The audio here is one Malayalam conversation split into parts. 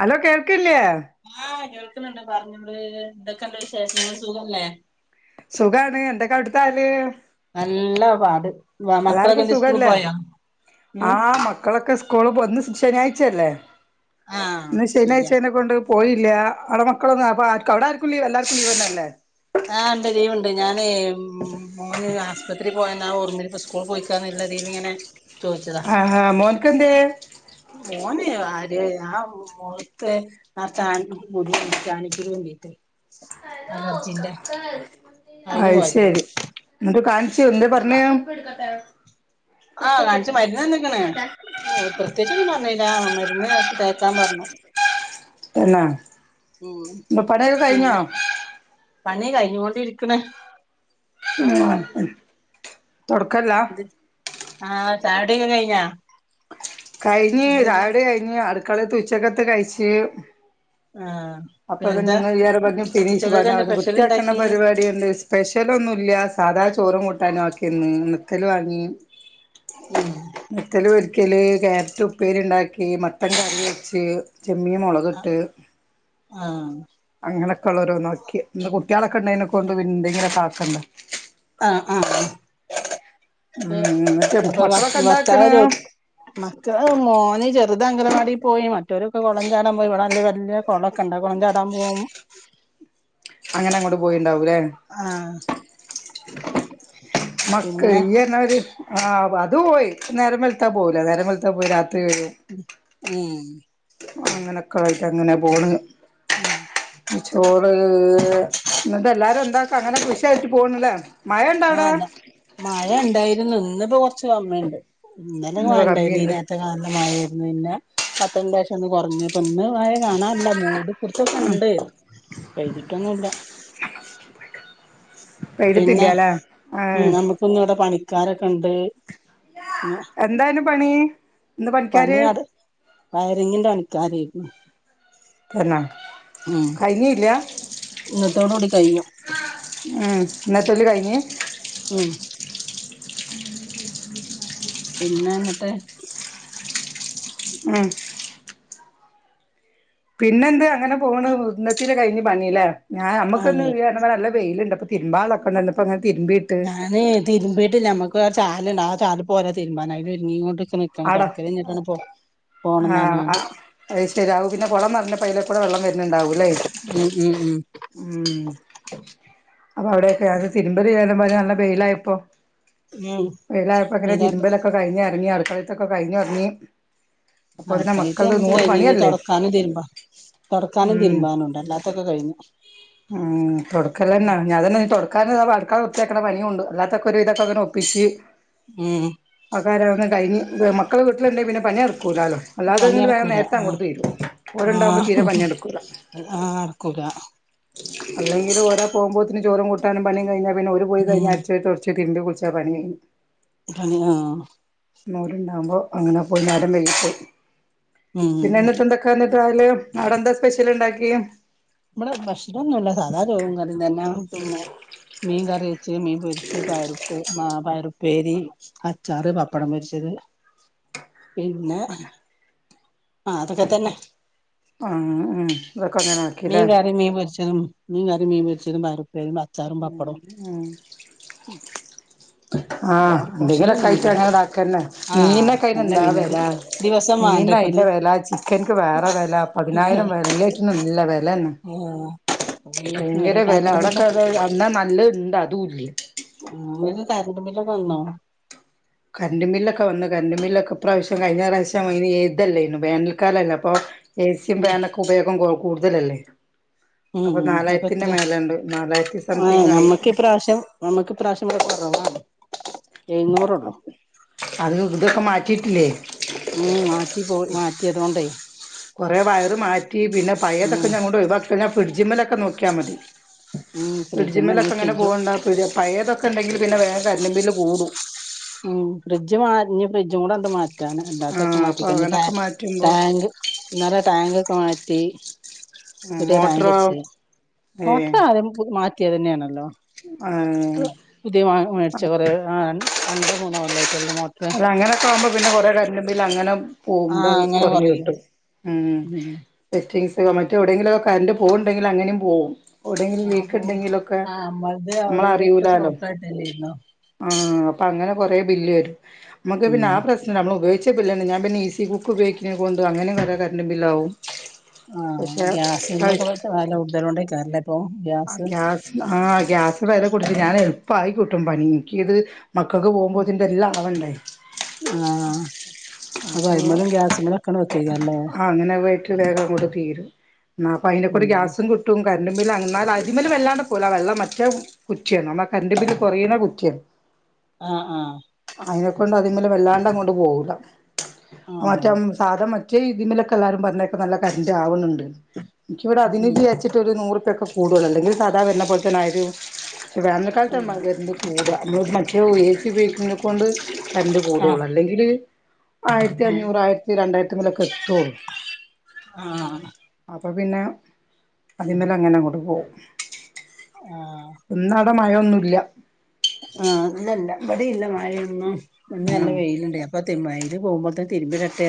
ഹലോ കേൾക്കില്ലേ ആഹ കേൾക്കുന്നുണ്ട് പറഞ്ഞ നള് എന്തൊക്കണ്ട വിശേഷങ്ങ സുഖല്ലേ സുഖാണ് എന്തൊക്കെ അടുത്ത ഹാല് നല്ല പാട് മക്കളൊക്കെ എല്ലർക്കും എന്തെ സ്കൂള് സുഖല്ലേ പോയോ ആ ഉം മക്കളൊക്കെ സ്കൂൾ പോന്ന് ശനിയാഴ്ചയല്ലേ ആഹ് ഇന്ന് ശരിയാ ശനിയാഴ്ച്ചെ കൊണ്ട് പോയില്ല അടെ മക്കളൊന്നും അപ്പവിട ആർക്കും ലീവ് എല്ലാവർക്കും ലീവ തന്നല്ലേ ആഹ് ഉണ്ട് ലീവുണ്ട് ഞാൻ മോന് ആശുപത്രി പോയ ഓർമ്മി ഇ സ്കൂൾ പോയിക്കാല്ലീതിൽ ഇങ്ങനെ ആഹ് ആ മോന്ക്ക് ന്തേ ഓനെ ആര് ആ മുഖത്ത് നിറച്ചു [unintelligible] അലർജിന്റെ അത് അയിന് പോയതേനി ശരി എന്നിട്ട് കാണിച്ചു എന്താ പറഞ്ഞ ആഹ് കാണിച്ചു മരുന്ന്ന്നക്കണ് ഓ പ്രത്യേകിച് ഒന്നും പറഞ്ഞില്ല മരുന്ന് തെക്കാൻ പറഞ്ഞു പിന്നെ ഉം പണിയൊക്കെ കഴിഞ്ഞോ പിന്നെ പണി കഴിഞ്ഞ് കൊണ്ടഇരിക്കണ് ആഹ് ആഹ് ചായ കുടിക്കെ കഴിഞ്ഞാ കഴിഞ്ഞ് എന്തെന്നാ ചായടി കഴിഞ്ഞ് അടുക്കളത്ത് ഉച്ചക്കത്ത് കഴിച്ച് ആഹ് അപ്പൊ അത് പിന്നെന്താ നിങ്ങൾ ഈ നേരാക്കുമ്പോക്ക് ഫിനീഷ് ഉച്ചക്കൊക്കെ പറഞ്ഞ എന്താ സ്പെഷ്യൽ വൃത്തിയാക്കണ്ട ഇണ്ടാക്കി പരിപാടി ഉണ്ട് സ്പെഷ്യല ഒന്നുംല്ല സാധാ ചോറും കൂട്ടാനും ആക്കിന്ന് നെക്കൽ വാങ്ങി നെക്കല് വ ക്കല് ക്യാരറ്റ് ഉപ്പേരി ഇണ്ടാക്കി മട്ടൻ കറി വെച്ച് ചെമ്മീ മുളക് ഇട്ട് ആഹ് അങ്ങനെയൊക്കെ ഉള്ളരോ നോക്കി ഇന്ന് കുട്ടികളൊക്കെ ഉണ്ടതിനെക്ക കൊണ്ട് പിന്തെങ്കിലും താക്കണ്ട ആഹ് ആഹ് ആ ഉം എന്നിട്ട് അപ്പൊ അപ്പൊ മക്കളൊക്കെ ഭർത്താവ് എന്താക്കണ് ജോ മക്കളെ മോന ചെറുത ആഗനവാ ടി പോയി മറ്റവരൊക്കെ കുളം ചാടാൻ പോയി ഇവിടെ വല്യ വല്യ കുളൊക്കെ ഉണ്ട കുളം ചാടാൻ പോവും അങ്ങനെ അങ്ങോട്ട് പോയിണ്ടാവൂല്ലേ. ആഹ് മക്ക പിന്നെ ഇയ്യ് പറേന്നമാരി ആഹ് അത് പോയി നേരം വെലുത്താ പോവുല നേരം വെലുത്താ പോയി രാത്രി വര ഉം അങ്ങനൊക്കൊയിട്ട് അങ്ങനെ പോണ് ഉം ചോറ് എന്നിട്ട് എല്ലാരും എന്താ അങ്ങനെ പുഷായിട്ട് പോണില്ലേ മഴ ഇണ്ട അവിടെ ആഹല്ല മഴ ഉണ്ടായിരുന്നു ഇന്നിപ്പോ കൊറച്ച് കമ്മിണ്ട് ഇന്നലെ ഇന്ന് മഴണ്ടായിരുന്നു കമ്മിയുണ്ട് നീനേരത്തൊക്കെ നല്ല മായിരുന്നു പിന്നെ പത്തെണ്ടാവശ്യം ഒന്ന് കുറഞ്ഞു. ഇപ്പൊ ഇന്ന് മഴ കാണല്ല മൂട് ആ കുറച്ചോക്ക ഇണ്ട് പഴ്തിട്ടൊന്നും ഇല്ല പിന്നെ പെയ്തിട്ടില്ലല്ലേ ആ ഉം നമ്മുക്കൊന്ന ഇവിടെ പണിക്കാരൊക്കെ ഉണ്ട് എന്താണ് പണി ഇന്ന് പണിക്കാര് പണിയാട് വയറിങ്ങിന്റെ പണിക്കാരായിന്നു. എന്നാ കഴിഞ്ഞ ഇല്ല ഇന്നത്തോട് കൂടി കഴിയും. ഉം ഇന്നത്തല് കഴിഞ്ഞ് ഉം പിന്നെ ഇന്നത്തെ ഉം പിന്നെ എന്ത് അങ്ങനെ പോണ് ഇന്നത്തില് കഴിഞ്ഞ് പണില്ലേ ഞാൻ നമ്മുക്കൊന്ന് അതെ ഇയ്യ് പറഞ്ഞ പോലെ നല്ല വെയിലുണ്ട്. തിരുമ്പളൊക്കണ്ടപ്പ ഇങ്ങ ഞാന് തിരുമ്പീട്ടില്ല നമ്മക്ക് ചാല ആ ചാല പോരാ തീരുബാന് ഇങ്ങോട്ടൊച്ച നക്കാണ് തുടക്കല് കഴിഞ്ഞിട്ടാണ് പ്പൊവ ആഹ ആ അത് ശരിയാകു അപ്പൊ പിന്നെ കുളം നിറഞ്ഞപ്പ അയില കൂടെ വെള്ളം വരുന്നുണ്ടാവും വുന്നണ്ടാവൂല്ലേ ഉം ഉം ഉം ഉം അപ്പൊ അവിടെയൊക്കെ അത് തിരുമ്പല് ചെയാല നല്ല വെയില ഇപ്പോ ഉം വെയിലായപ്പോ ഇങ്ങനെ ഇതാ തിരുമ്പലൊക്കെ കഴിഞ്ഞ് ഇറങ്ങി അടുക്കളത്തൊക്കെ കഴിഞ്ഞ് ഇറങ്ങിയത്. അട് കാളീതെ നമ്മ കഴിഞ് ഇനി തൊടക്കാനും തിരുമ്പാ തൊടക്കാനും ഉം തതിരുമ്പാനുംണ്ട്. അല്ലാത്തൊക്കെ കഴിഞ്ഞു. ഉം തൊടക്കല്ലന്നാ ഞാൻ തന്നെ തൊട അക്കാ അടുക്കള വൃത്തിയാക്കണ പണിയും ഉണ്ട്. അല്ലാത്തക്കെ ഒരുവിതൊക്കെ ഇങ്ങനെ ഒപ്പിച്ച്. ഉം ആക്കാര കഴിഞ്ഞ് മക്കള് വീട്ടിലുണ്ടെ പിന്നെ പണി കൂലല്ലോ പണി അല്ലാതെങ്കിൽ വേം നടക്കൂല നേരത്ത ആഹ് അങ്ങോട്ട് തീരും. ഓല് ഉണ്ടാകുമ്പോ തീരെ പണി നടക്കൂല്ല. ആ അർക്കൂല. അല്ലെങ്കില് ഓരാ പോവുമ്പോത്തിന് ചോറുകൂട്ടാനും പണിം കഴിഞ്ഞാ പിന്നെ ഓര് പോയ് ഉം കയ്ഞ്ഞാ അട്ച്ചോരി തൊട്ച്ച് തിര്മ്പി കുള്ച്ചാ പണിയെയ്ഞ്ഞ്. ആഹ് അ. ന്നോല്ണ്ടാവുമ്പോ, അങ്ങനെ പോയ് നേരമ്പൈകീട്ട് ഉം പിന്നെന്നിട്ട്ന്തൊക്കെന്നിട്ടയ്ല് അവ്ടെന്താ സ്പെഷ്യൽല് ണ്ടാക്കി ഇപടെ പെഷലൊന്നുല്ല സാധാ ചോറുങ്കറിയും തന്നെ ഇന്നും. മീൻ കറിയെച്ച് മീൻ പൊര്ച്ച് പയറുപ്പേ മാ പയറു പേരി അച്ചാറ് പപ്പടം പൊര്ച്ചത് പിന്നെ ആ തൊക്കെ ത്തന്നെ. ആ അ തൊക്കങ്ങനാക്കി ലെ എം മീൻ കറിം മീൻ പൊര്ചതും പയറുപ്പേരിം അച്ചാറും പപ്പടും. [inaudible] ആ ന്തെങ്കിലൊക്കായ്ട്ടങ്ങനെ താക്കന്നെ ആഹ് അല്ല മീൻനൊക്കയ്നെന്താവെല പിന്നത് ദിവസം വേണ്ടേ ഇപ്പത് മീനയ്ല് ല ചിക്കൻക്ക് വേറെ വെല പതിനായിരവല്ലേറ്റിനുല്ല വെ ഉം ല്ലേറ്റിനൊല ഭയങ്കര വെല അവിടൊക്കെ കര്ന്റ്ബില്ലൊക്ക് അത് [inaudible] അന്നാ നല്ലത് ഇണ്ട് അതും ഇല്ല ങ്ങനെ കര്ന്റ്ബില്ലൊക്കെ വന്നോ? കര്ന്റ്ബില്ലൊക്കെ വന്ന് കര്ന്റ്ബില്ലൊക്കെ ഇപ്പ്രാവ്ശ്യം കയ്ഞ്ഞറാശ്യ യ്ന് തെല്ലാര്ന്നോ വേനൽക്കാലല്ലെ പ്പൊ ഏസ്യും ഉം പാനൊക്കെ ഉപയോഗം കൂട്തലല്ലേ? ഉം അപെത്രെ നാലായിരത്തി ആ സംതിങ് ആയി നമ്മക്കിപ്പ്രാവ്ശ്യം നമ്മക്കിപ്പ്രാവ്ശ്യം വ് ആ. അത് തൊക്കെ മാറ്റിട്ടില്ലേ? ഉം മാറ്റി പൊ മാറ്റ്യേതൊണ്ടേ കുറെ വയറ് മാറ്റി പിന്നെ ഉം പയെതൊക്കെ ഞ്ഞങ്ങോണ്ട് ഒയ് വാക്കികയ്ഞ്ഞാ ഫിഡ്ജിമ്മലൊക്കെ നോക്ക്യാ മതി ഉം ഫ്രിഡ്ജന്നെ ഇനി ട്ജിമ്മലൊക്കെ ങ്ങനെ ഫ്രിഡ്ജ് പോവണ്ട പയേതൊക്കെ ണ്ടെങ്കിൽ പിന്നെ വേം കര്ന്റ്ബില്ല് കൂടും ഖം ഫിഡ്ജ് മാ മാറ്റ് ഞ്ഞ് ഫ്രിഡ്ജും കൂടെണ്ട് മാറ്റാൻ റ്റാണ് ല്ലാത്തൊക്കെ ആഹ് അപ്പൊ മാറ്റികയ്ഞ്ഞ് ട്ടാ അങ്ങനൊക്കെ മാറ്റുമ്പോ ട്ടാങ്ക് ന്നലെ ട്ടാങ്കൊക്കെ മാറ്റി പുത്യെ മോട്ടറോ ട്ടാങ്കെച്ച് ഏഹ് മോട്ട്റ് ആദ്യം പു മാറ്റ് റ്റ്യേതന്നെണല്ലോ ആഹ് ട്ട് പുത്യേ മേട്ച കൊറേ അ [unintelligible] [unintelligible] ല്ല അങ്ങനൊക്കാവ്മ്പോ പ്ന്നെ കൊറെ കര്ന്റ്ബില്ലങ്ങനെ ആ വ്മ്പൾ അങ്ങനെ പറയും കൊർഞ്ഞിട്ടും ഉം മറ്റെ എവ്ടെങ്കിലൊക്കെ കര്ണ്ട് പോവ്ണ്ടങ്കിലങ്ങനിം പോവും. ഓടെങ്കിലും ആ പോയി ലീക്ക്ണ്ടെങ്കിലൊക്കെ ആ നമ്മളത് അവിടെ ഇവിടെക്കെ ഞമ്മളറിയൂലാലോ ഷോക്കായിട്ടല്ലേരുന്നോ ആ അപ്പ ങ്ങനെ കൊറെ ബില്ല് വരും നമ്മക്ക് പിന്നെ ഉം ആ പ്രശ്നം നമ്മളുപയോയ്ച പില്ലെന്നെ ഞാ പിന്നെ ഈസി കുക്ക് പയോയ്ക്കിണെ കൊണ്ട് അങ്ങനെ കൊറെ കര്ന്റ്ബില്ലാവും ആ ഗ്യാസ്ൻ്റെ ക്കെ വെല കൂടുതലോനെയ്ക്കാരലെ പ്പൊ ഗ്യാസ് ആ ഗ്യാസ്‌ന് വെല കൂട്ടി ഞാനെൾപ്പായി കിട്ടും പണി ന്ക്കിത് മക്കക്ക് പോവുമ്പോത്ത്ന് ഇതെല്ലാം ആവണ്ടെ പോവുമ്പോത്തിനിതെല്ലാവണ്ടേ ആ ആ അങ്ങനാവയ്ക്ക് വേഗങ്ങോട്ട് തീരും ആ അപ്പൊ അയ്നക്കൂടെ ഉം ഗ്യാസും കിട്ടും കര് ന്നാൽ അതിമ്മല് വല്ലാണ്ട്ക്കൂല വെള്ളം മറ്റേ കുറ്റ്യാണ് നമ്മ കര്ബില്ല് കുറയ്ണ കുറ്റ്യാണ് അ ആ അയ്നെക്കൊണ്ട് അതിമ്മല് വല്ലാണ്ടങ്ങണ്ട് പോവൂലാ അ മറ്റം ആഹ് സാധാ മ് റ്റെ തിമ്മലൊക്കെ ല്ലാരും പറ്ഞ്ഞേക്ക നല്ല കര്ന്റാവ്ണ് ണ്ട്ന്ന് ഇന്ക്കിവ്ടെ ഉം അതിനിചാര്ച്ച്ട്ട് രു നൂറുർപ്യൊക്കെ കൂടുതല് ല്ലെങ്കില് സാധാ വര്ണ പോല്തന്നെ വേനൽകാൽത്താ ഉം കൂടാ ഏസി ഉപയോഗിക്ക്ണേകൊണ്ട് കര്ന്റ് കൂടൊള്ളൂ ആഹ് അല്ലെങ്കില് ആയിര്ത്തി ഉം അഞ്ഞൂറ് ആയ്ര്ത്തി രണ്ടായിരത്തിമ്മലൊക്കെ എത്തൊള്ളൂ ആഹ് അപ്പൊ പിന്നെ അതിമ്മലങ്ങോണ്ട് പോവും ആഹ മയൊന്നുമില്ല ആഹ ഇല്ലല്ലാ അബടെഇല്ല മഴൊന്നും ഇന്ന് നല്ല ഉം വെയിലുണ്ട് അപ്പൊ [unintelligible] പോകുമ്പോ തിരുമ്പി ഇടട്ടെ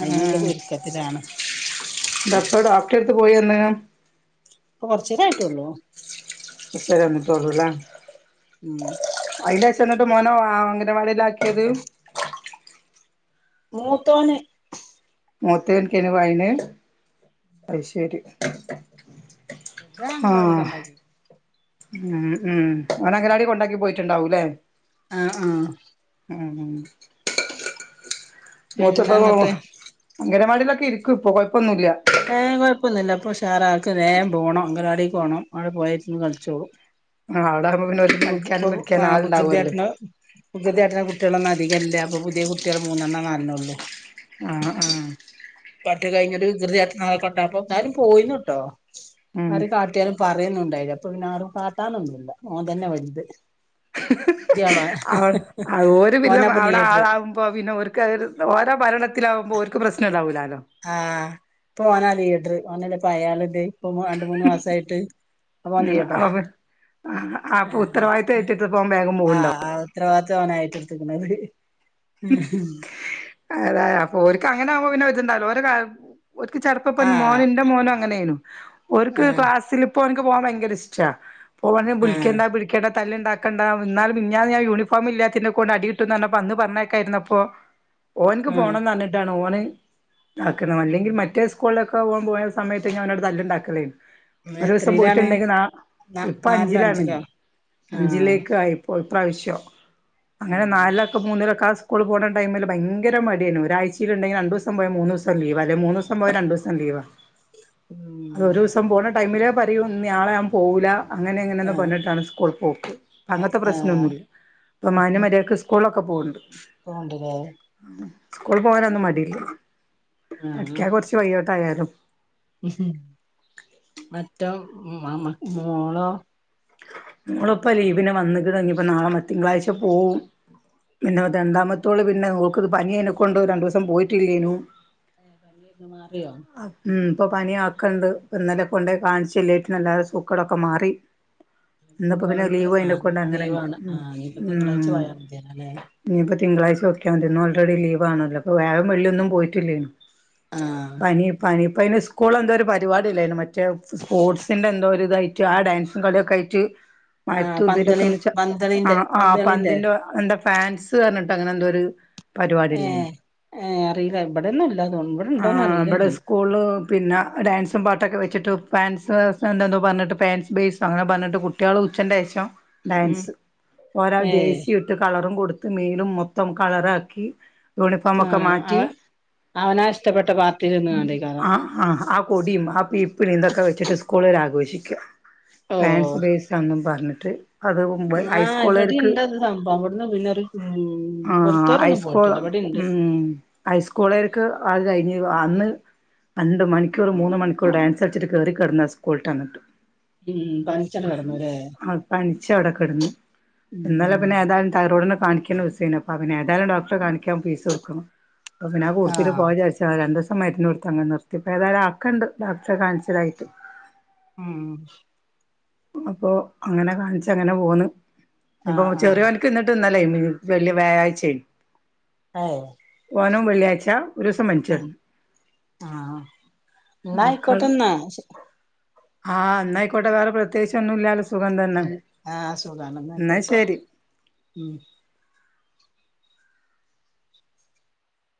ആ ഇപ്പോ ഡോക്ടർ ടെടുത്ത് പോയി വന്ന് കൊറച്ചരായിട്ടള്ളൂ ഇത്രരന്ന തോളൂല [unintelligible] ഉം അതിന്റ ശേഷം എന്നിട്ട് മോനെ അംഗനവാടിയിലാക്കിയത് മൂത്തോന്ന് മൂത്ത എനിക്കന് പോയീന് അയിശേരി [inaudible] അങ്ങനവാടിൽ കെണ്ടാക്കി ഉം ഉം ഓനെ അങ്ങവാടി കൊണ്ടാക്കി പോയിട്ടുണ്ടാവൂ അല്ലേ ആഹ ആഹ ആ ഉം പിന്നെ എന്നിട്ട് അംഗനവാടിലൊക്കെ ഇരിക്കും ഇപ്പോ കുഴപ്പൊന്നുമില്ല ഏ കൊഴപ്പൊന്നും ഇല്ല ഇപ്പൊ ഉഷാറ ആൾക്ക് വേഗം പോകണം അഗനവാടി പോകണം അവിടെ പോയിരുന്ന് കളിച്ചോളും ആ പിന്നെ ഇപ്പൊ കുസൃതിയായിട്ടുണ്ടാവും കുസൃതിയാ കുട്ടികളൊന്നും അധികമില്ല അപ്പൊ പുതിയ കുട്ടികൾ മൂന്നെണ്ണം നാലെണ്ണം ഉള്ളൂ ആഹ ആഹ പറ്റു കഴിഞ്ഞത് [unintelligible] അപ്പൊ എന്നാലും പോയിന്നു കേട്ടോ ഉം ആരും കാട്ടിയാലും പറയുന്നുണ്ടായില്ല അപ്പൊ പിന്നെ ആരും കാട്ടാനൊന്നുമില്ല ഓൻ തന്നെ വലുത് ഹി ദ്യാളോൻ ഹി ഹി ഒരു വില്ലം ഓനാപ്പൊ അവിടെ ലീഡർ ആളാവുമ്പോ പിന്നെക്ക് ഓര്ക്ക് ഓരോ ഭരണത്തിലാവുമ്പോ പ്രശ്നാണ്ടാവൂല ആഹ് ഇപ്പ ഓനാലീഡറ് ഓനല് പറയാറ്ണ്ട് ഇപ്പൊ രണ്ട് മൂന്ന് മാസായിട്ട് അവൻ ഉം ലീഡറ് അപ്പൊ ആഹ് അപ്പൊ ഉത്തരവാദിത്തം ഏറ്റെടുത്തപ്പോ അവൻ വേഗം ആ പോവുണ്ടോ ഉത്തരവാദിത്തമാണ് ഏറ്റ് എടുത്തിരിക്കുന്നത് അതെ അപ്പൊ ഒര്ക്ക് അങ്ങനെ ആവുമ്പോ പിന്നെ വച്ചണ്ടാവല്ലോ ഓര്ക ഒര്ക്ക് ചെറപ്പ ഇപ്പ എന്റെ മോനും അങ്ങനെയിരുന്നു ഒര്ക്ക് ആഹ് ക്ലാസ്സിൽ ഇപ്പോ എനിക്ക് പോവാൻ ഭയങ്കര ഇഷ്ട പോവന് ആഹ് വിളിക്കണ്ട പിടിക്കണ്ട തല്ലല്ണ്ടാക്കണ്ട എന്നാലും മിനിഞാന്ന് യൂണിഫോം ഇല്ലാത്തിതിനെ കൊണ്ട് അടി കിട്ടൂന്ന് അന്ന് പറഞ്ഞ യിരുന്നപ്പോ ഓനക്ക് ആഹ് പോണംന്ന് പറഞ്ഞിട്ടാണ് ഓന് ആക്കണം ഉം അല്ലെങ്കിൽ മറ്റേ സ്കൂളിലൊക്കെ പോകാൻ പോയ സമയത്ത് അവനിവിടെ തല്ലുണ്ടാക്കലേര്ന്ന് ഒരു ദിവസം എത്രയിലാണ് പോയിട്ടുണ്ടെങ്കി ന ന ഇപ്പ നാലിലോ അഞ്ചിലാണ് അഞ്ചിലോ ആഹ് അഞ്ചിലേക്ക് ആയി ഒര് പ്രാവശ്യം അങ്ങനെ ആഹ് നാലൊക്കെ മൂന്നിലൊക്ക സ്കൂൾ പോകണ്ട ടൈമിൽ ഭയങ്കര മടിയാണ് ഒരാഴ്ചയിലുണ്ടെങ്കിൽ രണ്ടു ദിവസം പോയാ മൂന്ന് ദിവസം ലീവാ ലെങ്കി മൂന്ന് ദിവസം പോയ രണ്ടു ദിവസം ലീവാണ് അത് ഒരു ഉം ദിവസം പോണ ടൈമിലേ പറയൂ നയാളെ ഞാൻ പോകൂല അങ്ങനെ എങ്ങനെയൊന്ന് ആഹ് പറഞ്ഞിട്ടാണ് സ്കൂൾ പോക്ക് അങ്ങനത്തെ ആഹ് പ്രശനമൊന്നുമില്ല ഇപ്പോൾ മാന്യമര്യാതക്ക് സ്കൂളൊക്കെ ഒക്കെ പോകുന്നുണ്ട് പോണ്ടില്ലേ സ്കൂൾ പോകാനൊന്നും മടിയില്ല പഠിക്കാൻ കുറച്ച് പുറകോട്ടയാലും ഉ മറ്റ മോളോ മോളിപ്പ ലീവിന് വന്ന്ക്കണ് ഇനിപ്പോ നാളെ തിങ്കളാഴ്ച പോവും പിന്നെ രണ്ടാമത്തോള പിന്നെ ഓക്ക് പനി അനെ കൊണ്ട് രണ്ടു ദിവസം പോയിട്ടില്ലേനു ഏഹ് പനിയൊ മാറിയോ ഉം ഇപ്പൊ പനിയ ആക്കണ്ട് ഇന്നലെകൊണ്ട് കാണിച്ചല്ലേട്ട് എല്ലാ സൂക്കടൊക്കെ മാറി ഇന്ന് എന്നപ്പോ പിന്നെ പോയിട്ട് ലീവ് ആഹ് ഇന്ന് അയിനെക്കെണ്ട് അങ്ങനെ ലീവാണ് ആഹ് ഇനിയിപ്പോ തിങ്കളാഴ്ച പോയാൽ മതിയല്ലോ അല്ലേ തിങ്കളാഴ് നോക്ക്യാമതി ന്ന് ഓൾ റെഡി ലീവണല്ലോ അപ്പോ വാഴം വള്ളിയൊന്നും പോയിട്ടില്ലായ്ന് ആഹ് പനി പനി അയിന് സ്കൂലെന്തോരു പരിപാടി ഇല്ലായിനോ മറ്റേ സ്പോട്സിൻ്റെ എന്തോരിതായിട്ട് ആ ഡാൻസ് കളിയൊക്കെ ആയിറ്റ് ആഹ് പന്തളി മറ്റുതിനക്കൊൻവെച്ച ആ പന്തളിന്റെ ആ പന്തളിന്റെ പന്തിന്റെ എന്താ ഫാൻസ്ന്ന്പർ അങ്ങനെന്തോരു പരിപാടില്ലേനു ഏഹ് ഏഹ് അറിയില്ല ഇവിടെന്നും ഇല്ല തോന്നുന്നു ഇവിടെ ആ ഉണ്ടോന്ന് അറിയില്ല വിടെ ഇനി സ്കൂള് പിന്ന ഡാൻസുംപാട്ടൊക്കെ വെച്ചിട്ട് പാൻറ്സസ്ണ്ടെന്ന് പറഞ്ഞിട്ട് പൻസ് ബേസ് അങ്ങനെ പറഞ്ഞിട്ട് കുട്ടികൾ ഉച്ചെന്റെഷം ഉം ഡാൻസ് ഓരാൾ ഏയ് ജേഴ്സിയുട്ട് കളറും കൊടുത് മീനും മൊത്തം കളറാക്കി യൂണിഫോമക്കെ ആഹ് അവ മാറ്റി അവനാ ഇഷ്ടപ്പെട്ട പാർട്ടിയിൽ നിന്നുകാണ്ടേക്കാരം ആഹ് ആ ആ കൊ ഡിംആ പ്പി പി നീന്തൊക്കെ വെച്ചിട്ട് സ്കൂളൊ രാഘോഷിക്ക ഫാൻസ് ഓഹ് ബേയ്സാന്നും പറഞ്ഞിട്ട് അത് മുമ്പേ ആഹ് ഇവിടെ ഹൈസ്കോളർക്ക് ഇണ്ട് അത് സംഭവം ഇവിടുന്ന് പിന്നെ ഒരു ഉം ആ ഇവിടുത്തോരൊന്നും ഹൈസ്കോള പോയിട്ടില്ല ഇവിടെ ഇണ്ട് ഉം ഹൈസ്കൂളർക്ക് അത് കഴിഞ്ഞു അന്ന് രണ്ടു മണിക്കൂർ മൂന്ന് മണിക്കൂർ ഡാൻസ് കളിച്ചിട്ട് കയറി കിടന്നാ സ്കൂൾട്ടന്നിട്ട് ഉം പനിച്ചങ്ങട് കിടന്നുല്ലേ ആ പനിച്ചവിടെ കെട്ന്ന് എന്നാല ഉം പിന്നെ ഏതായാലും തൈറോഡിനെ കാണിക്കന്നിച്ചീനു അപ്പ ഏതാലും ഡോക്ടറെ കാണിക്കാ പീസ് കൊടുക്കണം അപ്പ പിന്നെ ആകൂടുതിൽ ആഹ് പോയ ചചരിച്ചാ രണ്ട് മരുന്നോടുത്ത് അങ്ങന് നിർത്തിപ്പേതാലും ആക്കണ്ട് ഡോക്ടറെ കാൺച്ച്തായിട്ട് ഉം ഇന്ന്പ്പൊ അങ്ങനെ കാണിച്ചങ്ങനെ പോന്ന് നിപ്പൊ ആഹ് ആഹ് ചെറിയോൻക്ക് നിട്ട് എനി വല്യ വ്യായാഴ്ചയ് ഏഹ് ഓനും വെള്ളിയാഴ്ച ഒരുസം പനിച്ചെട്ന്ന് ആഹ മക്കൾ ന്നായിക്കോട്ടന്നാ ആഹ് എന്നായിക്കോട്ടെ വേറെ പ്രത്യേകിച്ചൊന്നുല്ലാലൊ ആഹ് സുഖാണന്ന്ക്കോട്ടോ ശരി ഉം